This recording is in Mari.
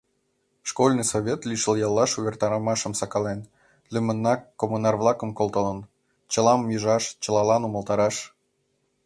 Школьный совет лишыл яллаш увертарымашым сакален, лӱмынак коммунар-влакым колтылын — «чылам ӱжаш, чылалан умылтараш».